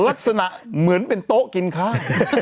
ลักษณะเหมือนเป็นโต๊ะกินข้าว